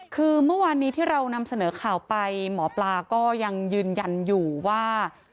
คือเมื่อวานนี้ที่เรานำเสนอข่าวไปหมอปลาก็ยังยืนยันอยู่ว่า